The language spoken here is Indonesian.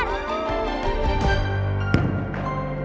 dan nal pandemic